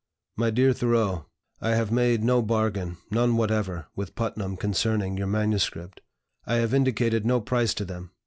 "MY DEAR THOREAU, I have made no bargain none whatever with Putnam concerning your MSS. I have indicated no price to them.